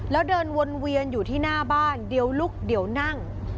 แล้วเดินวนเวียนอยู่ที่หน้าบ้านเดี๋ยวลุกเดี๋ยวนั่ง